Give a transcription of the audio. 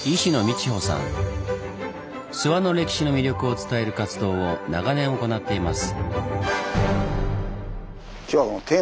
諏訪の歴史の魅力を伝える活動を長年行っています。